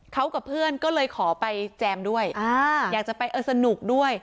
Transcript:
เขากับเพื่อนก็เลยขอไปแจมด้วยอยากจะไปเออสนุกด้วย